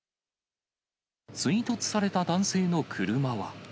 追突された男性の車は。